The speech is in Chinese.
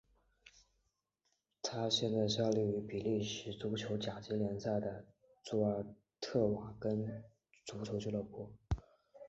他现在效力于比利时足球甲级联赛的祖尔特瓦雷根足球俱乐部。